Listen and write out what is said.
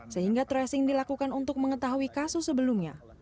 sehingga tracing dilakukan untuk mengetahui kasus sebelumnya